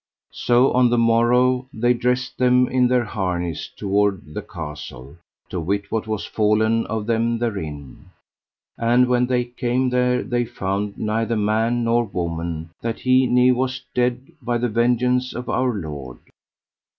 So on the morrow they dressed them in their harness toward the castle, to wit what was fallen of them therein. And when they came there they found neither man nor woman that he ne was dead by the vengeance of Our Lord.